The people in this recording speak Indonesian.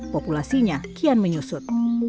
populasinya kian menyusut